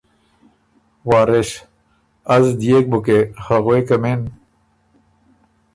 وارث ـــ از دیېک بُکې خه غوېکمِن